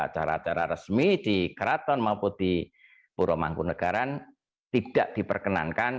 cara cara resmi di keraton maupun di puro mangkunagaran tidak diperkenankan